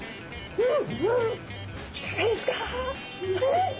うん！